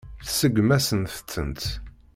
Tseggem-asent-tent.